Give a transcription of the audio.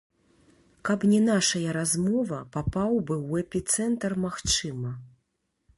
Каб не нашая размова, папаў бы ў эпіцэнтр магчыма.